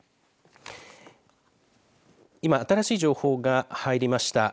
今、新しい情報が入りました。